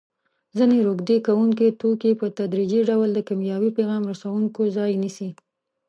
ځینې روږدې کوونکي توکي په تدریجي ډول د کیمیاوي پیغام رسوونکو ځای نیسي.